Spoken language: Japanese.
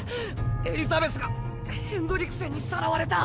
エリザベスがヘンドリクセンにさらわれた。